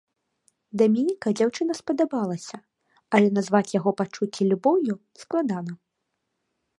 Даменіка дзяўчына спадабалася, але назваць яго пачуцці любоўю складана.